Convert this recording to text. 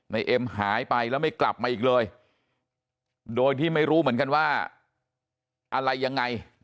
เอ็มหายไปแล้วไม่กลับมาอีกเลยโดยที่ไม่รู้เหมือนกันว่าอะไรยังไง